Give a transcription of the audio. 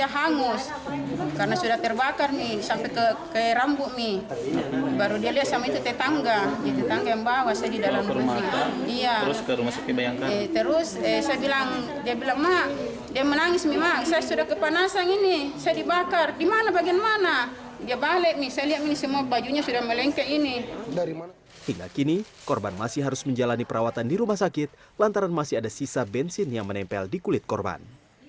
hingga kini korban masih harus menjalani perawatan di rumah sakit lantaran masih ada sisa bensin yang menempel di kulit korban